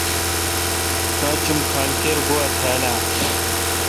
تراچ ام کھال کیر گواتھال اہ۔